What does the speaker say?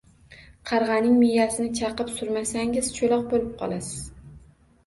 Qarg‘aning miyasini chaqib surmasangiz, cho‘loq bo‘lib qolasiz.